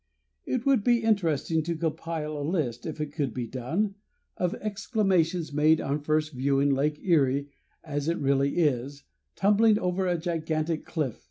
It would be interesting to compile a list, if it could be done, of exclamations made on first viewing Lake Erie, as it really is, tumbling over a gigantic cliff.